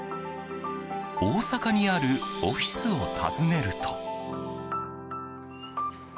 大阪にあるオフィスを訪ねると。